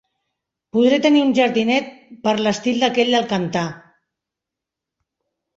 Podré tenir un jardinet per l'estil d'aquell del cantar